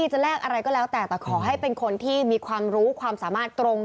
ใช่คนให้มันตรง